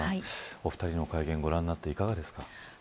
お二人の会見をご覧になっていかがですか。